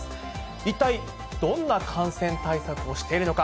一体、どんな感染対策をしているのか。